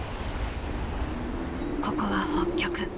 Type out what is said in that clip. ここは北極。